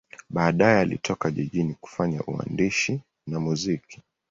Baadaye alitoka jijini kufanya uandishi na muziki.